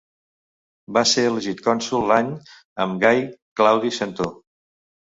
Va ser elegit cònsol l'any amb Gai Claudi Centó.